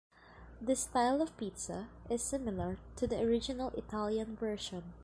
This style of pizza is similar to the original Italian version.